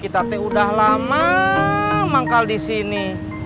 kita teh udah lama manggal disini